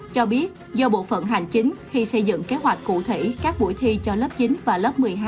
cho biết do bộ phận hành chính khi xây dựng kế hoạch cụ thể các buổi thi cho lớp chín và lớp một mươi hai